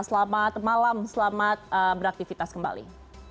selamat malam selamat beraktivitas kembali